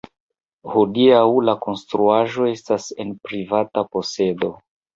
Hodiaŭ La konstruaĵo estas en privata posedo.